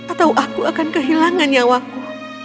atau aku akan kehilangan nyawaku